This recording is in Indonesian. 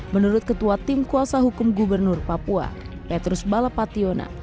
menurut ketua tim kuasa hukum gubernur papua petrus balapationa